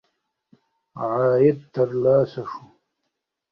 عاید ترلاسه شو.